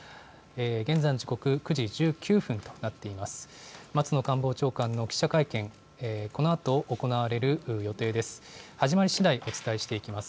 現在の時刻９時１９分となっています。